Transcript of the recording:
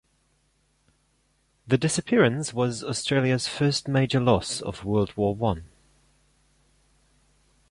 The disappearance was Australia's first major loss of World War One.